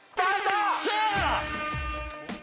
よっしゃー！